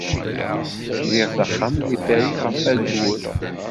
Kriɣ taxxamt deg Paris ɣef ayyur.